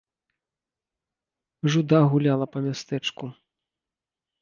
Жуда гуляла па мястэчку.